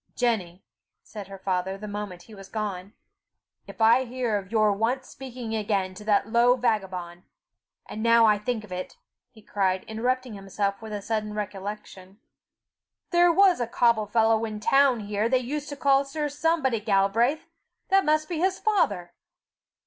"Jenny," said her father, the moment he was gone, "if I hear of your once speaking again to that low vagabond, and now I think of it," he cried, interrupting himself with a sudden recollection, "there was a cobbler fellow in the town here they used to call Sir Somebody Galbraith! that must be his father!